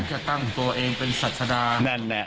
เป็นตั้งของตัวเองเป็นศาสนาแน่นแน่